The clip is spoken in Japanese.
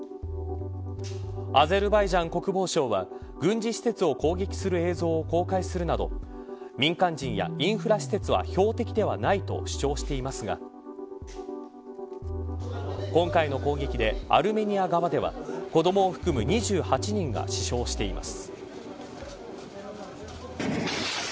アゼルバイジャン国防省は軍事施設を攻撃する映像を公開するなど民間人やインフラ施設は標的ではないと主張していますが今回の攻撃で、アルメニア側では子どもを含む２８人が死傷しています。